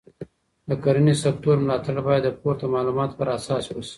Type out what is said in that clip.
د کرنې سکتور ملاتړ باید د پورته معلوماتو پر اساس وشي.